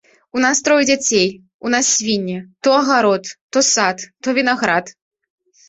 У нас трое дзяцей, у нас свінні, то агарод, то сад, то вінаград.